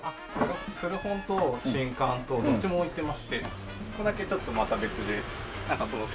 古本と新刊とどっちも置いてましてここだけちょっとまた別でシェア本棚。